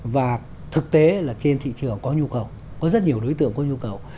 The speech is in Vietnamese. và thực tế là trên thị trường có nhu cầu có rất nhiều đối tượng có nhu cầu